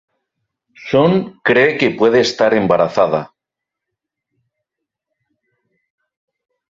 Sun cree que puede estar embarazada.